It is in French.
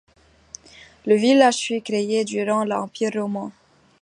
Le village fut créé durant l'Empire romain.